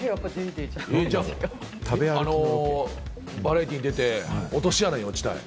バラエティーに出て、落とし穴に落ちたい。